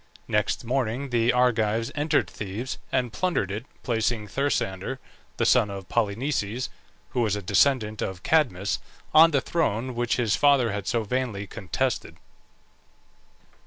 Next morning the Argives entered Thebes and plundered it, placing Thersander, the son of Polynices (who was a descendant of Cadmus), on the throne which his father had so vainly contested.